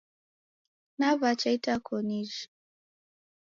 Nawacha itakonijhi